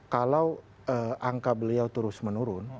kalau angka beliau terus menurun